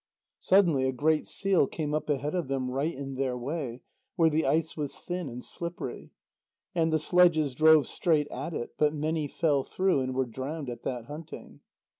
Suddenly a great seal came up ahead of them, right in their way, where the ice was thin and slippery. And the sledges drove straight at it, but many fell through and were drowned at that hunting.